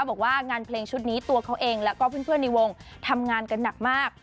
บอกว่างานเพลงชุดนี้ตัวเขาเองแล้วก็เพื่อนในวงทำงานกันหนักมาก